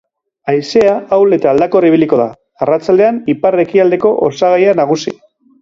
Haizea ahul eta aldakor ibiliko da, arratsaldean ipar-ekialdeko osagaia nagusi.